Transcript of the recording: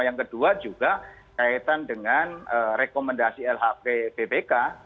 yang kedua juga kaitan dengan rekomendasi lhp bpk